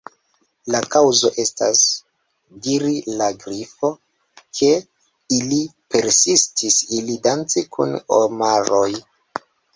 "La kaŭzo estas," diris la Grifo, "ke ili persistis iri danci kun omaroj »